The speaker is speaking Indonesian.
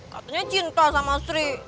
katanya cinta sama sri